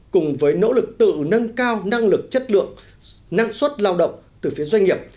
cùng với nỗ lực tự nâng cao năng lực chất lượng năng suất lao động từ phía doanh nghiệp